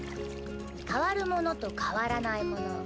変わるものと変わらないもの